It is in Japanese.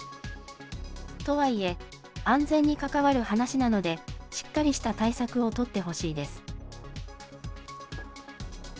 とはいえ、安全に関わる話なので、しっかりした対策を取ってほしいです。